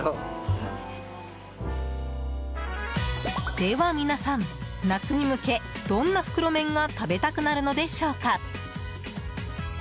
では皆さん、夏に向けどんな袋麺が食べたくなるのでしょうか。